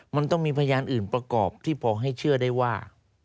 มันต้องมีพยานอื่นประกอบที่พอให้เชื่อได้ว่า